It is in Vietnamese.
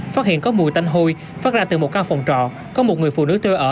phát hiện có mùi tanh hôi phát ra từ một căn phòng trọ có một người phụ nữ tôi ở